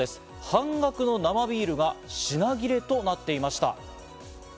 半額の生ビールが品切れとなっていました。